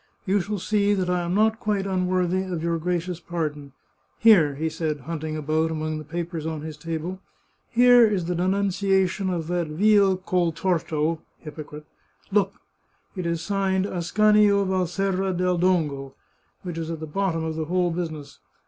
" You shall see that I am not quite unworthy of your gracious pardon. Here," he said, hunting about among the papers on his table, " here is the denunciation of that vile col torto [hypocrite] — look! It is signed ' Ascanio Valserra del Dongo '— which is at the bottom of the whole business.